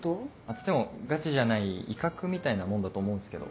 つってもガチじゃない威嚇みたいなもんだと思うんすけど。